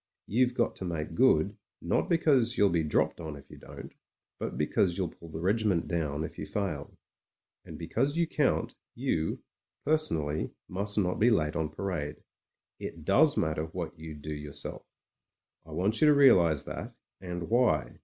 You've got to make good, not because you'll be' dropped on if you don't, but because you'll pull the regiment down if you fail. And because you count, you, personally, must not be late on parade. It does matter what you do your self. I want you to realise that, and why.